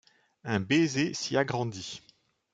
Un baiser s'y agrandit.